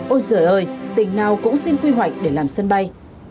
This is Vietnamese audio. ôi giời ơi tỉnh nào cũng xin quy hoạch để làm sân bay